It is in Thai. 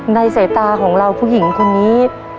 ในสายตาของเราผู้หญิงคนนี้